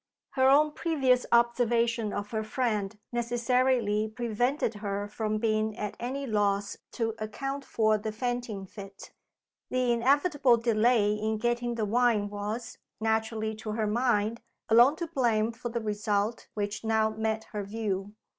Her own previous observation of her friend necessarily prevented her from being at any loss to account for the fainting fit. The inevitable delay in getting the wine was naturally to her mind alone to blame for the result which now met her view.